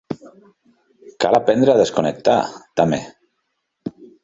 Cal aprendre a desconnectar, també!